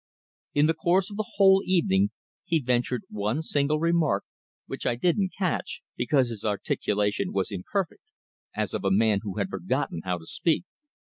In the course of the whole evening he ventured one single remark which I didn't catch because his articulation was imperfect, as of a man who had forgotten how to speak.